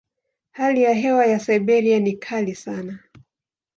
Hali ya hewa ya Siberia ni kali sana.